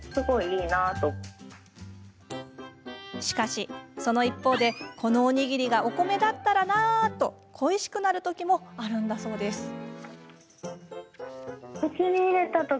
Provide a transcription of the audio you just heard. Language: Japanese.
しかし、その一方でこのおにぎりがお米だったらなあと、恋しくなるときもあるんだそうです。